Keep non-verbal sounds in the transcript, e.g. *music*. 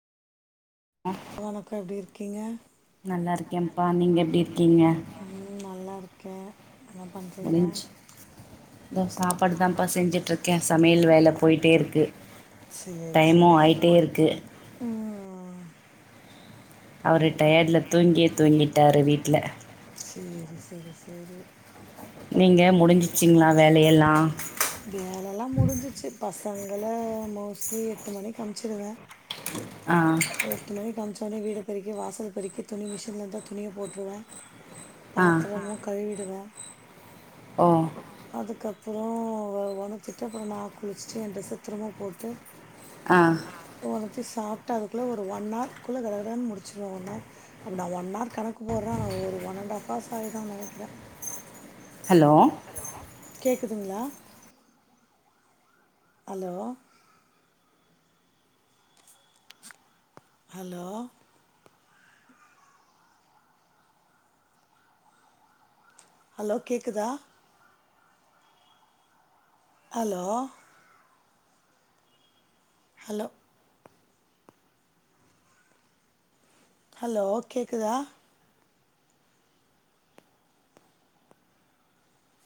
அ வணக்கம் எப்டி இருக்கீங்க நல்லாருக்கேன்ப்பா நீங்க எப்டியிருக்கீங்க ம் நல்லா இருக்கே என்ன பண்றீங்க *inaudible* இதோ சாப்பாடு தான்ப்ப செஞ்சிட்ருக்கே சமையல் வேல போயிட்டே இருக்கு சேரி டைமு சேரி சேரி ஆயிட்டே இரு க்கு ம் அவரு டயட்ல தூங்கியே தூங்கிட்டாரு வீட்ல சேரி செரி சேரி நீங்க முடிஞ்சிச்சீங்ளா வேலயெல்லா வேலைலா முடிஞ்சிச்சு பசங்கள மோஸ்லி எட்டு மணிக்கு அம்ச்சுடுவே ஆ எட்டு மணிக்கு அம்ச்சோனே வீடு பெரிக்கி வாசல பெரிக்கி துணி மிஷின்லருந்தா துணிய போட்ருவே ஆ பாத்தரலா கழுவிடுவே ஓ அதுக்கப்றோ வ ஒணத்திட்டு அப்றோ நா குளிச்சிட்டு எ ட்ரெஸ்ஸ திரும்ப போட்டு அ அத ஒணத்தி சாப்ட்டு அதுக்குள்ள ஒரு ஒன் ஆர்க்குள்ள கடகடன் முடி ச்சுருவே ஒன்ஹார் அப்ப நா ஒன் ஆர் கணக்கு போட்றே ஆனா ஒரு ஒன் அண்ட் ஆஃப் ஹார்ஸ் ஆயிடு நெனைக்றே ஹலோ கேக்குதுங்ளா அலோ ஹலோ ஹலோ கேக்குதா ஹலோ ஹலோ ஹலோ கேக்குதா